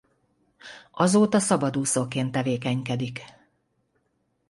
Azóta szabadúszóként tevékenykedik.